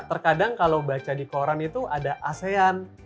terkadang kalau baca di koran itu ada asean